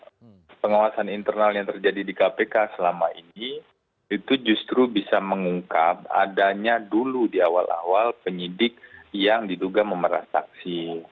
karena pengawasan internal yang terjadi di kpk selama ini itu justru bisa mengungkap adanya dulu di awal awal penyidik yang diduga memerah saksi